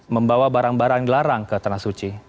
membawa barang barang dilarang ke tanah suci